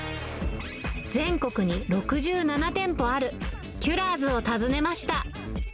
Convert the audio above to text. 全国に６７店舗あるキュラーズを訪ねました。